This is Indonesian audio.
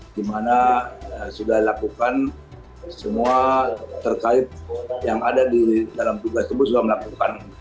di mana sudah dilakukan semua terkait yang ada di dalam tugas tugas sudah melakukan